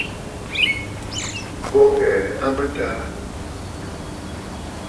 Bo ghɛɛ a mɨtaa.